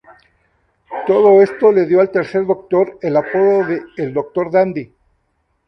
Todo esto le dio al Tercer Doctor el apodo de "El Doctor Dandy".